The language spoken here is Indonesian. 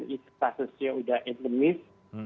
kalau kasusnya sudah endemis